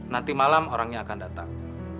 nanti malam orangnya akan datang